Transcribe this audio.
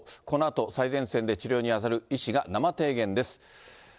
このあと、最前線で治療に当たる医師が生提言です。